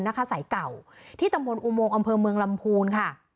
สายเก่าที่ตำบลอุโมงอำเภอเมืองลำพูนค่ะ